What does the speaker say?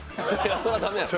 それはだめやろ。